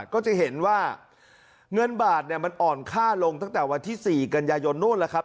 ก็จะเห็นว่าเงินบาทเนี่ยมันอ่อนค่าลงตั้งแต่วันที่๔กันยายนนู่นแล้วครับ